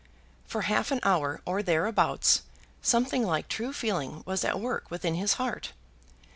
For half an hour, or thereabouts, something like true feeling was at work within his heart.